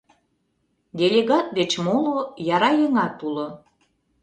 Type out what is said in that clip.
Делегат деч моло яра еҥат уло.